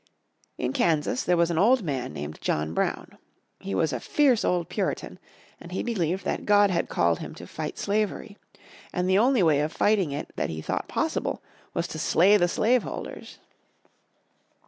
In Kansas there was an old man named John Brown. He was a fierce old Puritan, and he believed that God had called him to fight slavery. And the only way of fighting it that he thought possible was to slay the slave holders.